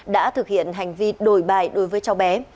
đã thực hiện hành vi đổi bài đối với cháu bé